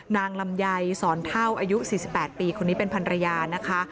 นางลำไยสอนเท่าอายุ๔๘ปีคนนี้เป็นพันรยานะคะ